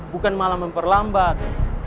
bukan malah memperlambat